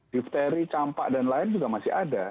difteri campak dan lain juga masih ada